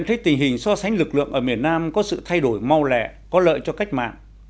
trong lúc so sánh lực lượng ở miền nam có sự thay đổi mau lẹ có lợi cho cách mạng